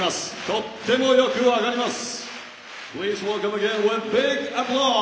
とってもよく分かります！